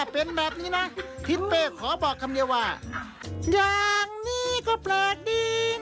โปรดติดตามตอนต่อไป